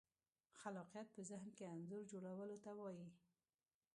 خلاقیت په ذهن کې انځور جوړولو ته وایي.